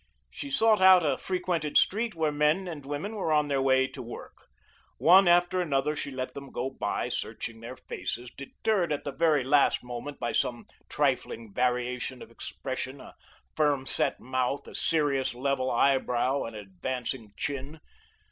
She sought out a frequented street where men and women were on their way to work. One after another, she let them go by, searching their faces, deterred at the very last moment by some trifling variation of expression, a firm set mouth, a serious, level eyebrow, an advancing chin.